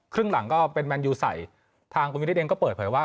ครึ่งหลังก็เป็นแมนยูใส่ทางคุณวินิตเองก็เปิดเผยว่า